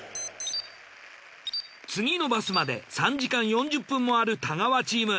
次のバスまで３時間４０分もある太川チーム。